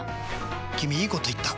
君いいこと言った！